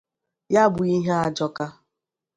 Ya bụ ihe ajọka.